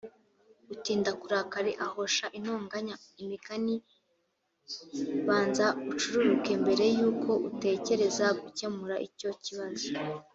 utinda kurakara ahosha intonganya imigani banza ucururuke mbere y uko utekereza gukemura icyo kibazo